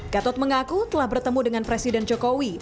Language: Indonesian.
gatot mengaku telah bertemu dengan presiden jokowi